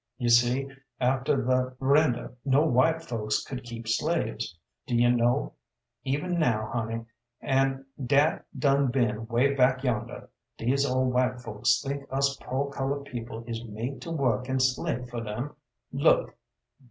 You see, after th' render no white folks could keep slaves. Do yo' know even now, honey, an' dat done bin way bac' yonder, dese ol' white folks think us poor colored people is made to work an' slave fer dem, look!